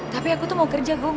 tapi aku tuh mau kerja gue